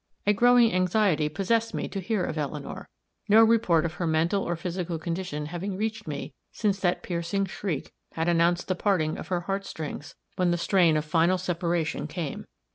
A growing anxiety possessed me to hear of Eleanor, no report of her mental or physical condition having reached me since that piercing shriek had announced the parting of her heart strings when the strain of final separation came.